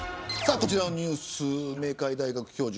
こちらのニュース明海大学教授